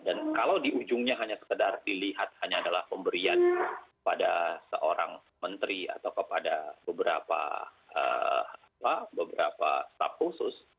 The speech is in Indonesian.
dan kalau di ujungnya hanya sekedar dilihat hanya adalah pemberian kepada seorang menteri atau kepada beberapa staff khusus